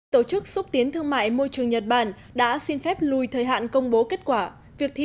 tổ chức xúc tiến thương mại môi trường nhật bản đã xin phép lùi thời hạn công bố kết quả việc thí